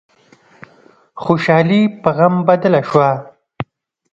خوشحالي په غم بدله شوه.